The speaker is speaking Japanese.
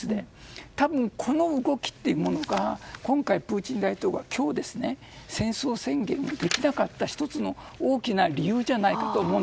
多分、この動きというものがもし、プーチン大統領が今日、戦争宣言できなかった１つの大きな理由じゃないかと。